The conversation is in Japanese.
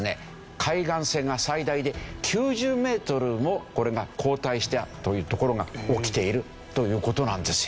海岸線が最大で９０メートルも後退したというところが起きているという事なんですよ。